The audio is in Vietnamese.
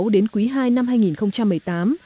đến quý hai năm hai nghìn một mươi tám